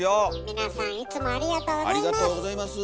皆さんいつもありがとうございます。